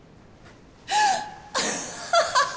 アッハハハ！